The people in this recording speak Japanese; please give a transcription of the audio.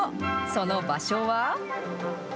その場所は。